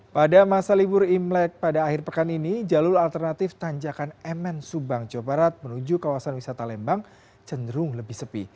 pada masa libur imlek pada akhir pekan ini jalur alternatif tanjakan mn subang jawa barat menuju kawasan wisata lembang cenderung lebih sepi